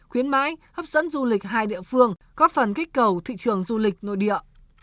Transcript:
khuyến mãi hấp dẫn du lịch hai địa phương góp phần kích cầu thị trường du lịch nội địa